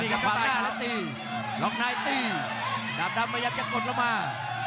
กำลังหน้าแล้วตีลองนายตีดาบดำยังจะกดลงมา